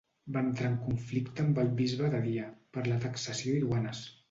Va entrar en conflicte amb el bisbe de Dia per la taxació i duanes.